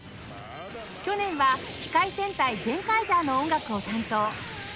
去年は『機界戦隊ゼンカイジャー』の音楽を担当